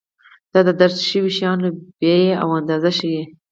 دا د درج شویو شیانو بیې او اندازې ښيي.